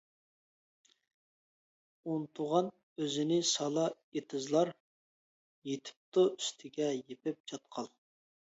ئۇنتۇغان ئۆزىنى سالا ئېتىزلار، يېتىپتۇ ئۈستىگە يېپىپ چاتقال.